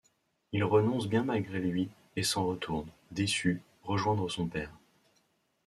Il renonce bien malgré lui et s'en retourne, déçu, rejoindre son père.